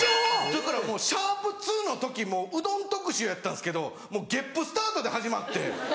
せやからシャープ２の時もううどん特集やったんですけどもうゲップスタートで始まって。